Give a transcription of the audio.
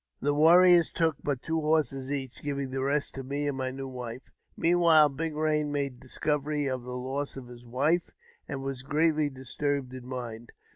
The warriors took but two horses each, giving the rest to me and my new wife. Meanwhile, Big Eain made discovery of the loss of his wife, and was greatly disturbed in mind.